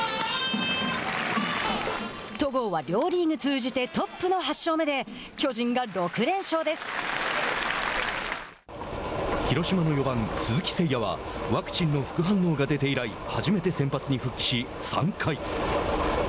戸郷は両リーグ通じてトップの８勝目で広島の４番鈴木誠也はワクチンの副反応が出て以来初めて先発に復帰し、３回。